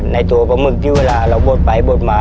ในตัวปลาหมึกที่เวลาเราบดไปบดมา